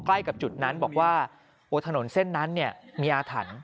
ใกล้กับจุดนั้นบอกว่าถนนเส้นนั้นมีอาถรรพ์